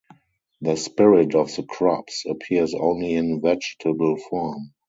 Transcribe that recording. The spirit of the crops appears only in vegetable form.